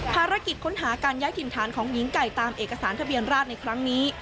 ภารกิจค้นหาการย้ายถิ่นฐานของหญิงไก่ตามเอกสารทะเบียนราชในครั้งนี้